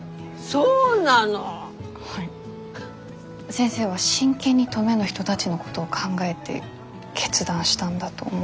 先生は真剣に登米の人たちのことを考えて決断したんだと思うし。